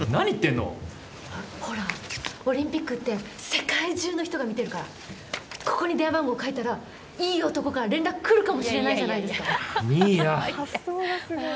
ほら、オリンピックって世界中の人が見てるから、ここに電話番号書いたら、いい男から連絡来るかもしれないじゃな新谷。